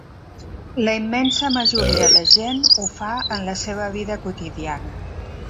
La immensa majora de gent ho fa en la seva vida quotidiana.